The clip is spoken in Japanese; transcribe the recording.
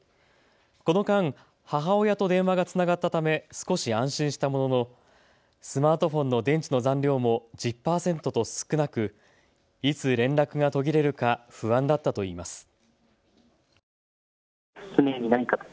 この間、母親と電話がつながったため少し安心したもののスマートフォンの電池の残量も１０％と少なくいつ連絡が途切れるか不安だったと言います。